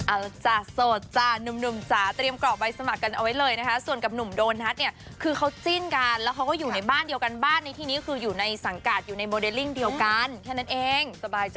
เอาละจ๊ะสดจ๊ะนุ่มจ่ะเตรียมกรอบใบสมัครกันเอาไว้เลยนะคะส่วนกับนุ่มโดน